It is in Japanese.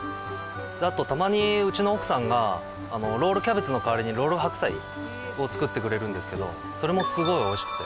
あとたまにうちの奥さんがロールキャベツの代わりにロール白菜を作ってくれるんですけどそれもすごい美味しくて。